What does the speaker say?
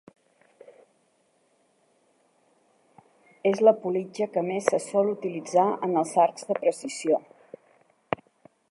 És la politja que més se sol utilitzar en els arcs de precisió.